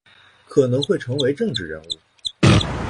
可能会成为政治人物